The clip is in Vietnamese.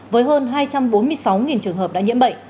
với hơn hai trăm bốn mươi sáu người